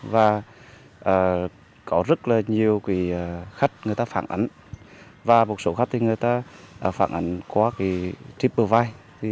và có rất là nhiều khách người ta phản ảnh và một số khách thì người ta phản ảnh qua triple vibe